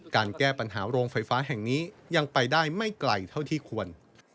การแก้ปัญหาโรงไฟฟ้าแห่งนี้ยังไปได้ไม่ไกลเท่าที่ควร